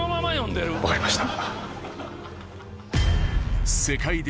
分かりました。